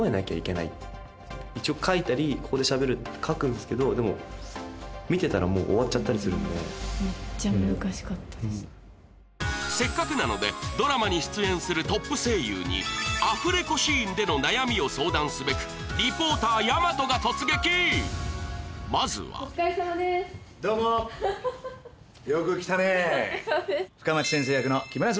一応書いたり「ここでしゃべる」って書くんですけどでも見てたらもう終わっちゃったりするんでせっかくなのでドラマに出演するトップ声優にアフレコシーンでの悩みを相談すべくリポーター大和が突撃まずはおつかれさまですどうもよく来たねえ深町先生役の木村昴